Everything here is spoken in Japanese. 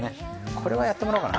これはやってもらおうかな。